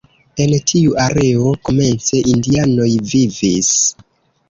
En tiu areo komence indianoj vivis.